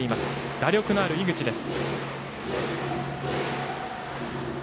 打力のある井口です。